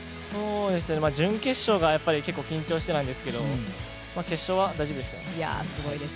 準決勝が結構緊張してたんですけど、決勝は大丈夫でした。